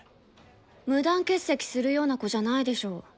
無断欠席するような子じゃないでしょ。